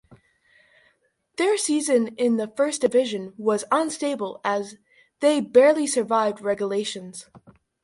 Their first season in the First Division was unstable as they barely survived relegation.